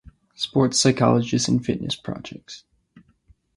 Sports psychologist in fitness projects.